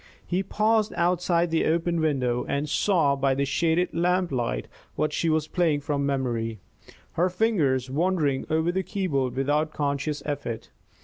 He paused outside the open window and saw by the shaded lamplight that she was playing from memory, her fingers wandering over the keyboard without conscious effort.